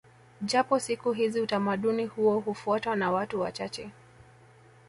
Japo siku hizi utamaduni huo hufuatwa na watu wachache